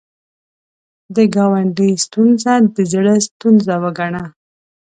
د ګاونډي ستونزه د زړه ستونزه وګڼه